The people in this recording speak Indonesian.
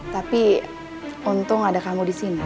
tapi untung ada kamu di sini